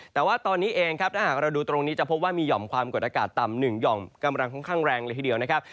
แต่ว่าตอนนี้เองครับถ้าหากเราดูตรงนี้จะพบว่ามีห่อมความกดอากาศต่ำ๑ห่อมกำลังค่อนข้างแรงเลยทีเดียวนะครับ